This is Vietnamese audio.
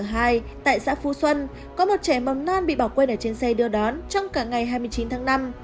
tại xã phú xuân có một trẻ mầm non bị bỏ quên ở trên xe đưa đón trong cả ngày hai mươi chín tháng năm